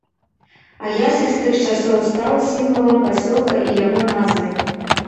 А ясень з тых часоў стаў сімвалам пасёлка і яго назвай.